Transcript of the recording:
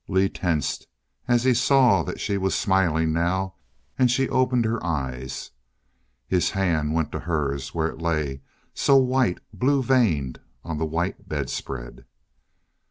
Lee tensed as he saw that she was smiling now; and she opened her eyes. His hand went to hers where it lay, so white, blue veined on the white bedspread.